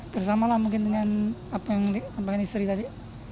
bersama lah mungkin dengan apa yang disampaikan istri tadi